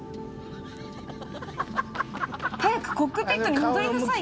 早くコックピットに戻りなさいよ！